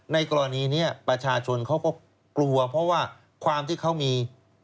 ในกรณีนี้ประชาชนเขาก็กลัวเพราะว่าความที่เขามี